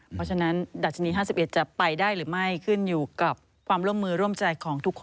เพราะฉะนั้นดัชนี๕๑จะไปได้หรือไม่ขึ้นอยู่กับความร่วมมือร่วมใจของทุกคน